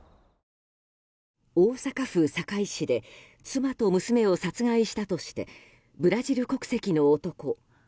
大阪府堺市で妻と娘を殺害したとしてブラジル国籍の男